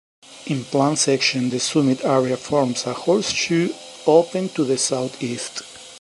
In plan section the summit area forms a horseshoe, open to the south east.